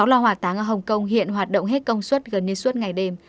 sáu loa hỏa táng ở hồng kông hiện hoạt động hết công suất gần như suốt ngày đêm